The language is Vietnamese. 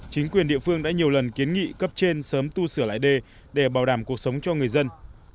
chính quyền địa phương đã nhiều lần kiến nghị cấp trên sớm tu sửa lại đê để bảo đảm cuộc sống cho người dân